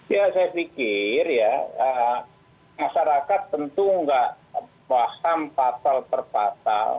ya saya pikir ya masyarakat tentu nggak paham pasal per pasal